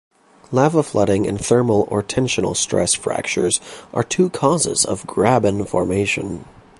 Lava flooding and thermal or tensional stress fractures are two causes of graben formation.